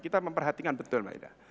kita memperhatikan betul mbak ida